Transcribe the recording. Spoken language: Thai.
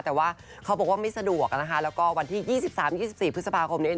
แต่ว่าเขาบอกว่าไม่สะดวกนะคะแล้วก็วันที่๒๓๒๔พฤษภาคมนี้